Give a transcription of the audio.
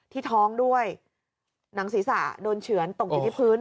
ท้องด้วยหนังศีรษะโดนเฉือนตกอยู่ที่พื้น